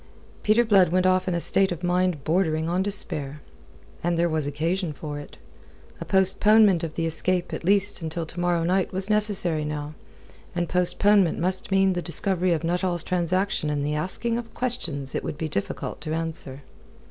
Peter Blood went off in a state of mind bordering on despair. And there was occasion for it. A postponement of the escape at least until to morrow night was necessary now, and postponement must mean the discovery of Nuttall's transaction and the asking of questions it would be difficult to answer.